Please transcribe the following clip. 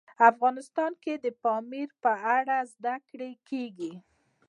افغانستان کې د پامیر په اړه زده کړه کېږي.